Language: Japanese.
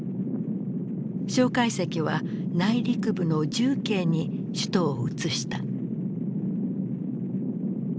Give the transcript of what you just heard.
介石は内陸部の重慶に首都をうつした。